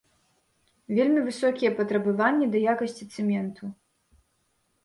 Вельмі высокія патрабаванні да якасці цэменту.